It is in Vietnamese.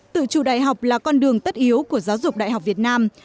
tự chủ đại học là con đường tất yếu của giáo dục đại học việt nam